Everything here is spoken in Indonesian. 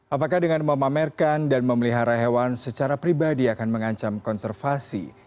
apakah dengan memamerkan dan memelihara hewan secara pribadi akan mengancam konservasi